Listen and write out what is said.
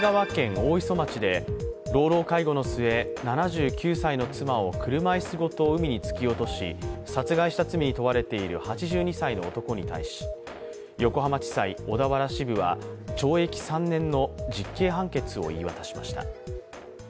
大磯町で老老介護の末、７９歳の妻を車いすごと海に突き落とし、殺害した罪に問われている８２歳の男に対し横浜地裁小田原支部は懲役３年の実刑判決を言い渡しました。